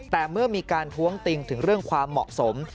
แต่เมื่อมีการท้วงติงถึงเรื่องความเหมาะสม